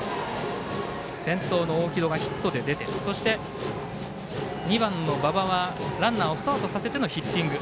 先頭の大城戸がヒットで出てそして、２番の馬場はランナーをスターとさせてのヒッティング。